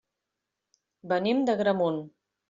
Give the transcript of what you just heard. Venim d'Agramunt.